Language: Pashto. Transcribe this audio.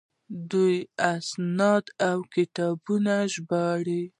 دوی اسناد او کتابونه ژباړي.